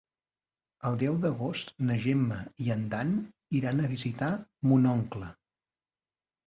El deu d'agost na Gemma i en Dan iran a visitar mon oncle.